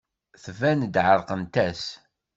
Tban-d ɛerqent-as.